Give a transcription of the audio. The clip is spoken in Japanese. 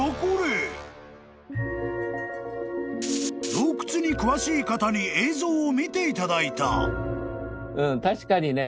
［洞窟に詳しい方に映像を見ていただいた］